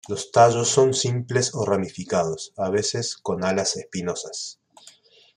Los tallos son simples o ramificados, a veces con alas espinosas.